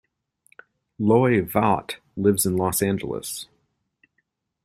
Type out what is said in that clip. Loy Vaught lives in Los Angeles.